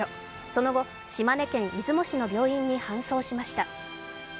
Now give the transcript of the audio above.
その後、島根県出雲市の病院に搬送しました。